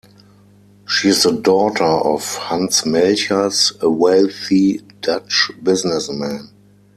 She is the daughter of Hans Melchers, a wealthy Dutch businessman.